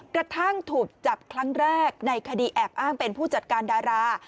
กระทั่งถูกจับครั้งแรกในคดีแอบอ้างเป็นผู้จัดการดารา